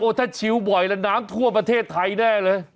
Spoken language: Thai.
โอ้ยถ้าชิวบ่อยน้ำทั่วประเทศไทยแน่เลย